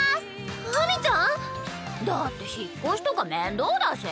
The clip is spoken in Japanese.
秋水ちゃん⁉だって引っ越しとか面倒だし。